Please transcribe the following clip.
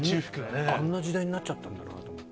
あんな時代になっちゃったんだと思って。